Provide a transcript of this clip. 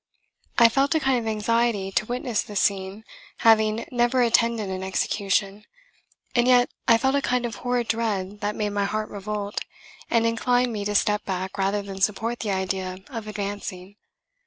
I felt a kind of anxiety to witness the scene, having never attended an execution, and yet I felt a kind of horrid dread that made my heart revolt, and inclined me to step back rather than support the idea of advancing.